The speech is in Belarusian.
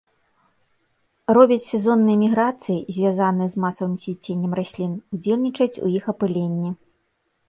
Робяць сезонныя міграцыі, звязаныя з масавым цвіценнем раслін, удзельнічаюць у іх апыленні.